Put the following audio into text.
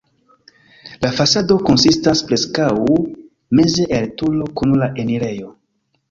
La fasado konsistas preskaŭ meze el turo kun la enirejo.